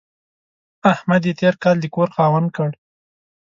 احمد يې تېر کال د کور خاوند کړ.